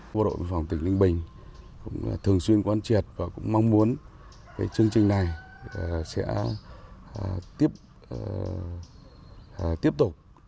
bộ đội biên phòng tỉnh ninh bình cũng thường xuyên quan triệt và cũng mong muốn chương trình này sẽ tiếp tục